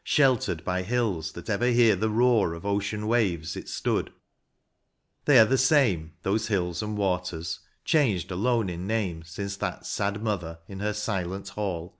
Sheltered by hills that ever hear the roar Of ocean waves, it stood; they are the same. Those hills and waters, changed alone in name Since that sad mother, in her silent hall.